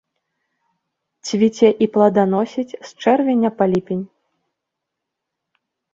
Цвіце і плоданасіць з чэрвеня па ліпень.